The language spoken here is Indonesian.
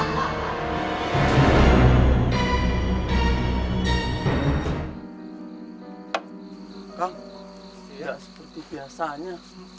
kak tidak seperti biasanya